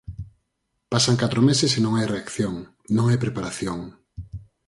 Pasan catro meses e non hai reacción, non hai preparación.